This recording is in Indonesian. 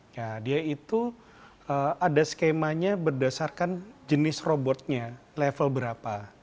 nah dia itu ada skemanya berdasarkan jenis robotnya level berapa